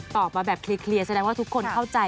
มาแบบเคลียร์แสดงว่าทุกคนเข้าใจ